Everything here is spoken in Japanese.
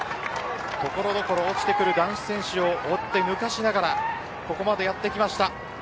所々落ちてくる男子選手を抜かしながらここまでやってきました。